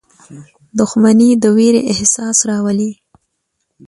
• دښمني د ویرې احساس راولي.